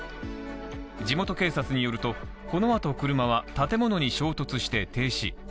地元警察によると、このあと車は建物に衝突して停止。